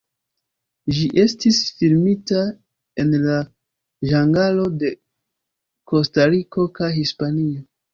Ĝi estis filmita en la ĝangalo de Kostariko kaj Hispanio.